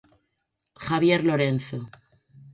Javier Lorenzo.